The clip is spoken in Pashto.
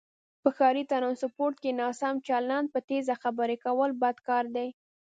په ښاری ټرانسپورټ کې ناسم چلند، په تیزه خبرې کول بد کاردی